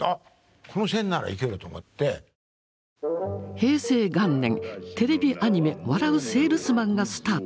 平成元年テレビアニメ「笑ゥせぇるすまん」がスタート。